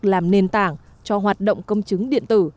làm nền tảng cho hoạt động công chứng điện tử